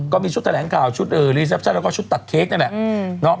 ก็มีชุดแถลงกล่าวชุดอื่นแล้วก็ชุดตัดเค้กนั่นแหละ